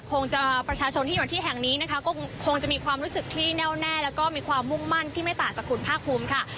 คงจะประชาชนที่อยู่ที่แห่งนี้นะคะก็คงจะมีความรู้สึกที่แน่วแน่แล้วก็มีความมุ่งมั่นที่ไม่ต่างจากคุณภาคภูมิค่ะ